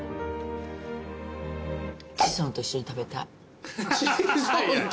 チソンと一緒に食べたい。